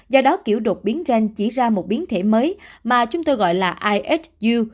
do đó kiểu đột biến gen chỉ ra một biến thể mới mà chúng tôi gọi là isu